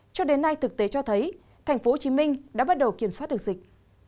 cho đến nay thực tế cho thấy tp hcm đã bắt đầu kiểm soát được dịch